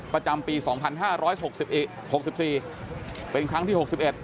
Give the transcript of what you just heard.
ประจำปี๒๕๖๔เป็นครั้งที่๖๑